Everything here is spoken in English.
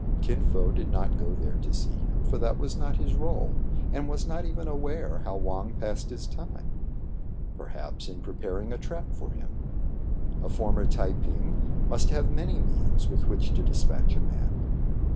Kin Fo did not go there to see him, — for that was not his rôle^ — and was not even aware how Wang passed his time. Perhaps in preparing a trap for him. A former Tai ping must have many means with which to despatch a man.